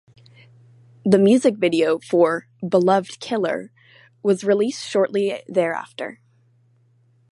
The music video for "Beloved Killer" was released shortly thereafter.